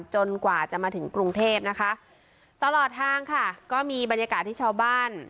กว่าจะมาถึงกรุงเทพนะคะตลอดทางค่ะก็มีบรรยากาศที่ชาวบ้าน